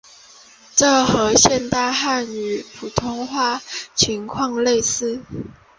这和现代汉语普通话的情况非常类似。